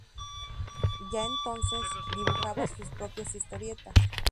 Ya entonces, dibujaba su propias historietas.